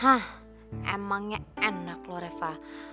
hah emangnya enak loh reva